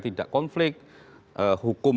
tidak konflik hukum